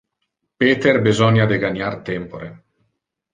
Peter besonia de ganiar tempore.